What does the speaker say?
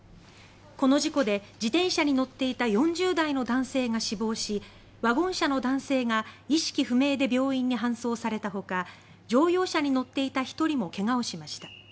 この事故で自転車に乗っていた４０代の男性が死亡しワゴン車の男性が意識不明で病院に搬送されたほか乗用車に乗っていた１人も怪我をしました。